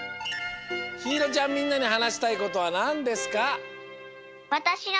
ひいろちゃんみんなにはなしたいことはなんですか？